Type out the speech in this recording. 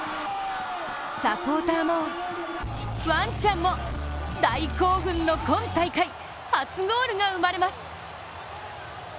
サポーターも、ワンちゃんも大興奮の今大会初ゴールが生まれます。